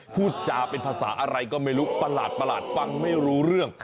พูดจาเป็นภาษาอะไรก็ไม่รู้ประหลาดฟังไม่รู้เรื่อง